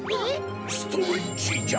ストレッチジャ！